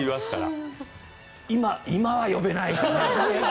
今は呼べないかな。